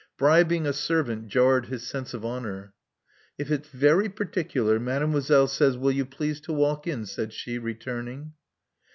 Bribing a servant jarred his sense of honor. If it's very particular, madamazel says will you please to walk in; said she, returning.